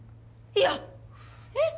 いやえっ？